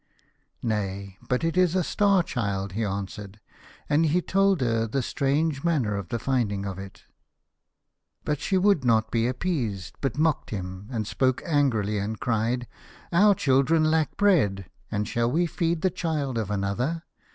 " Nay, but it is a Star Child," he answered ; and he told her the strange manner of the finding of it. But she would not be appeased, but mocked at him, and spoke angrily, and cried :" Our children lack bread, and shall we feed the child of another